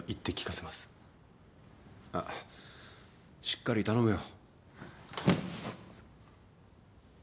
あっしっかり頼むよ。